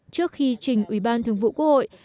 trước khi trình ủy ban thường vụ quốc hội